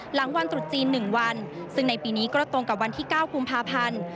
หลังวันตรุษจีน๑วันซึ่งในปีนี้ก็ตรงกับวันที่๙กุมภาพันธ์